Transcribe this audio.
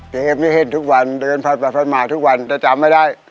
เด็กนี้เห็นทุกวันเดินพันประมาททุกวันแต่จำไม่ได้